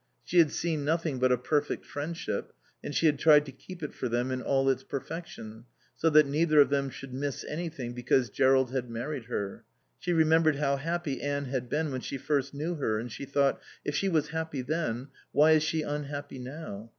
She had seen nothing but a perfect friendship, and she had tried to keep it for them in all its perfection, so that neither of them should miss anything because Jerrold had married her. She remembered how happy Anne had been when she first knew her, and she thought: If she was happy then, why is she unhappy now?